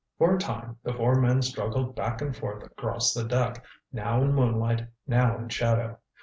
For a time the four men struggled back and forth across the deck, now in moonlight, now in shadow.